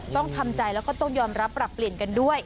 ต้องทำใจแล้วก็ต้องยอมรับปรับเปลี่ยนกันด้วย